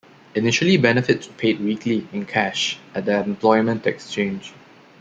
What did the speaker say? Initially benefits were paid weekly, in cash, at the Employment Exchange.